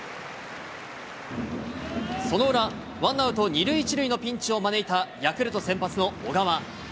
その裏、ワンアウト２塁１塁のピンチを招いたヤクルト先発の小川。